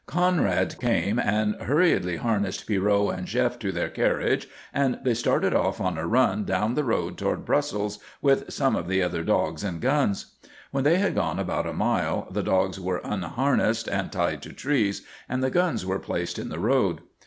Conrad came and hurriedly harnessed Pierrot and Jef to their carriage and they started off on a run down the road toward Brussels with some of the other dogs and guns. When they had gone about a mile the dogs were unharnessed and tied to trees, and the guns were placed in the road.